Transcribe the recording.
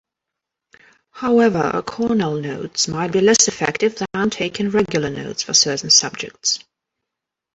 However, Cornell notes might be less effective than taking regular notes for certain subjects.